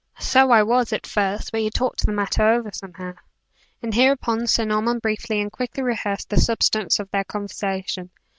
"So I was, at first, but he talked the matter over somehow." And hereupon Sir Norman briefly and quickly rehearsed the substance of their conversation.